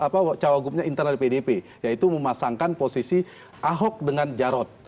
apa cagupnya internal di pdip yaitu memasangkan posisi ahok dengan jarod